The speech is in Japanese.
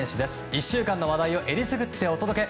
１週間の話題をえりすぐってお届け！